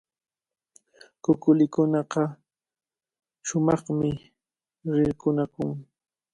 Kukulikunaqa shumaqmi rirqunakun.